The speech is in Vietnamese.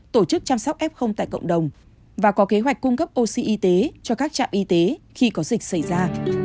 tổ chức chăm sóc f tại cộng đồng và có kế hoạch cung cấp oxy y tế cho các trạm y tế khi có dịch xảy ra